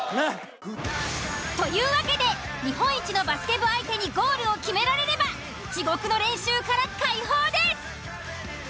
というわけで日本一のバスケ部相手にゴールを決められれば地獄の練習から解放です。